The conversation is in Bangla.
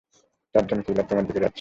চারজন কিলার তোমার দিকে যাচ্ছে।